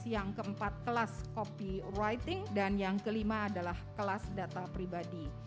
yang keempat kelas copy writing dan yang kelima adalah kelas data pribadi